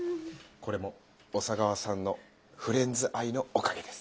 これも小佐川さんのフレンズ愛のおかげです。